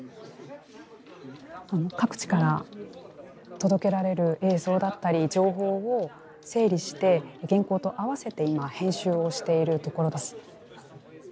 各地から届けられる映像だったり、情報を整理して原稿と合わせて今編集をしているところです。